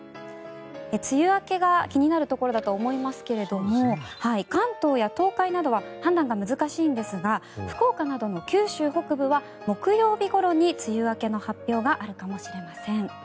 梅雨明けが気になるところだと思いますが関東や東海などは判断が難しいんですが福岡などの九州北部は木曜日ごろに梅雨明けの発表があるかもしれません。